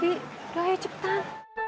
udah yuk cepetan